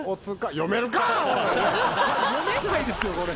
読めないですよこれ。